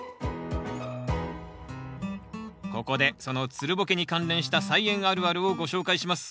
ここでそのつるボケに関連した「菜園あるある」をご紹介します。